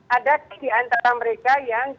ada titik antara mereka yang tidak